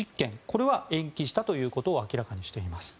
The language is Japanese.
これは延期したということを明らかにしています。